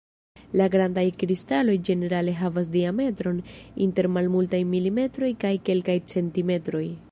La grandaj kristaloj ĝenerale havas diametron inter malmultaj milimetroj kaj kelkaj centimetroj.